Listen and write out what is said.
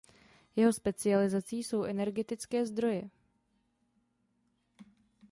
Jeho specializací jsou energetické stroje.